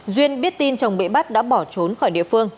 duyên biết tin chồng bị bắt đã bỏ trốn khỏi địa phương